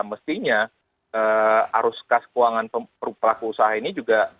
mestinya arus kas keuangan pelaku usaha ini juga